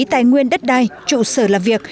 tài nguyên đất đai trụ sở làm việc